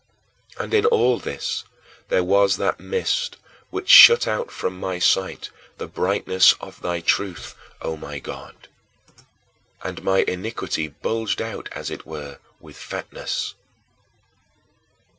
And in all this there was that mist which shut out from my sight the brightness of thy truth, O my God; and my iniquity bulged out, as it were, with fatness!